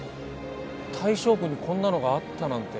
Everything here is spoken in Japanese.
大正区にこんなのがあったなんて。